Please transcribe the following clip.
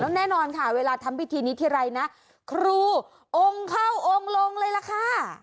แน่นอนค่ะเวลาทำพิธีนี้ทีไรนะครูองค์เข้าองค์ลงเลยล่ะค่ะ